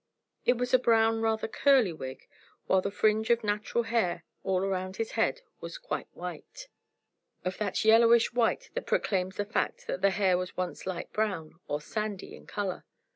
It was a brown, rather curly wig, while the fringe of natural hair all around his head was quite white of that yellowish white that proclaims the fact that the hair was once light brown, or sandy in color.